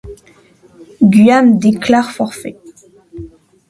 Guam déclare forfait.